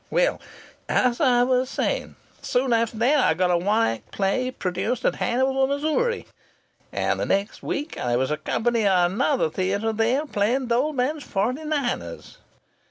Well, as I was saying, soon after that I got a one act play produced at Hannibal, Missouri. And the same week there was a company at another theatre there playing the old man's 'Forty Niners.'